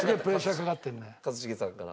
一茂さんから。